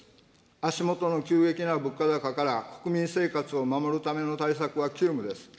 足下の急激な物価高から国民生活を守るための対策は急務です。